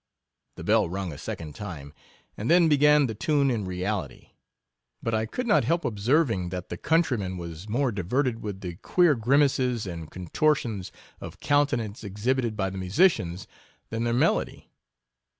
The bell rung a second time — and then began the tune in reality; but I could not help ob serving, that the countryman was more di verted with the queer grimaces and contor tions of countenance exhibited by the musi cians, than their melody.